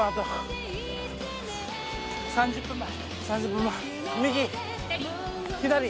３０分前。